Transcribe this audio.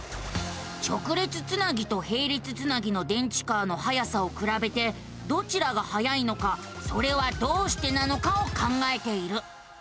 直列つなぎとへい列つなぎの電池カーのはやさをくらべてどちらがはやいのかそれはどうしてなのかを考えている。